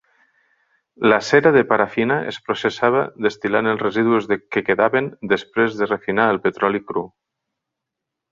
La cera de parafina es processava destil·lant els residus que quedaven després de refinar el petroli cru.